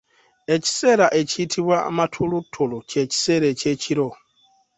Ekiseera ekiyitibwa Matulutulu ky'ekiseera ekyekiro.